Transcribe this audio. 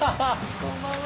こんばんは。